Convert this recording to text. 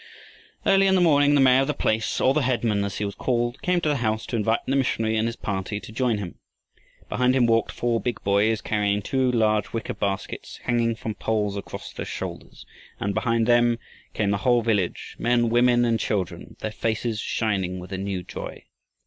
Early in the morning the mayor of the place, or the headman as he was called, came to the house to invite the missionary and his party to join him. Behind him walked four big boys, carrying two large wicker baskets, hanging from poles across their shoulders; and behind them came the whole village, men, women, and children, their faces shining with a new joy.